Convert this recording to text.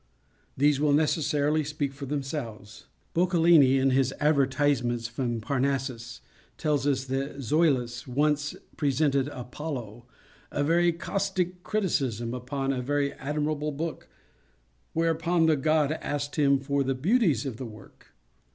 These will necessarily speak for themselves. Boccalini, in his "Advertisements from Parnassus," tells us that Zoilus once presented Apollo a very caustic criticism upon a very admirable book:—whereupon the god asked him for the beauties of the work.